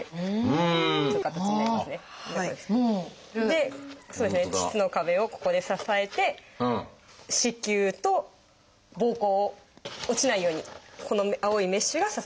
そうですね腟の壁をここで支えて子宮とぼうこうを落ちないようにこの青いメッシュが支える。